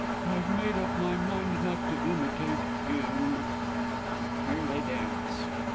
I've made up my mind not to imitate him! [_Here they dance.